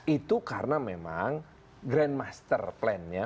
itu karena memang grand master plan nya